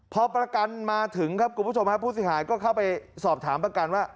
พอประกันมาถึงครับคุณผู้ชมฮะผู้เสียหายก็เข้าไปสอบถามประกันว่า